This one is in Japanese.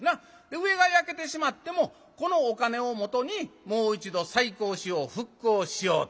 上が焼けてしまってもこのお金をもとにもう一度再興しよう復興しようというね。